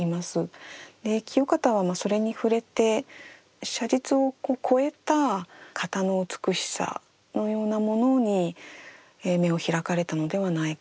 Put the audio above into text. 清方はそれに触れて写実を超えた型の美しさのようなものに目を開かれたのではないか。